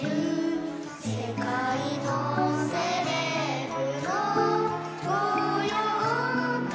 「世界のセレブの御用達」